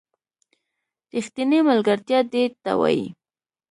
ریښتینې ملگرتیا دې ته وايي